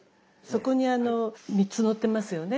そこにあの３つのってますよね。